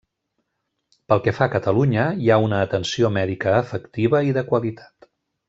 Pel que fa a Catalunya, hi ha una atenció mèdica efectiva i de qualitat.